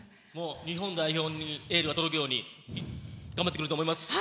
日本代表にエールが届くように頑張ってくれると思います。